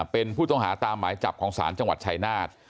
เป็นผู้ต้องหาตามหมายจับของศาลจังหวัดชายนาฏ